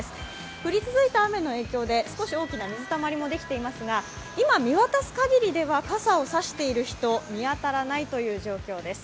降り続いた雨の影響で少し大きな水たまりもできていますが、今見渡す限りでは傘を差している人、見当たらないという状況です。